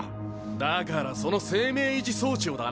だからその生命維持装置をだなぁ。